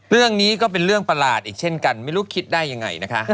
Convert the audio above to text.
เรื่องนี้ก็เป็นเรื่องประหลาดอีกเช่นกันไม่รู้คิดได้ยังไงนะคะ